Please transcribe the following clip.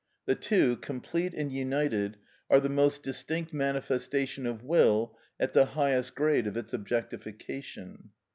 The two, complete and united, are the most distinct manifestation of will at the highest grade of its objectification.